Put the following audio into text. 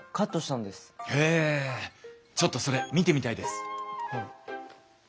ちょっとそれ見てみたいです。